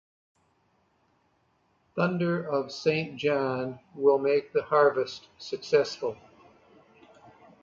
Thunder of Saint John, will make the harvest successful.